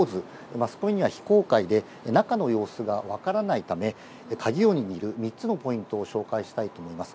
マスコミには非公開で、中の様子がわからないため、カギを握る３つのポイントを紹介したいと思います。